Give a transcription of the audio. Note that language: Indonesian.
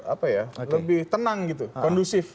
apa ya lebih tenang gitu kondusif